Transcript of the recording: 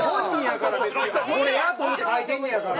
これやと思って書いてんねやから。